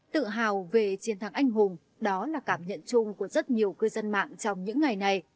tự hào về chiến thắng anh hùng đó là cảm nhận chung của rất nhiều cư dân mạng trong những ngày này